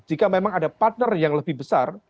jika memang ada partner yang lebih besar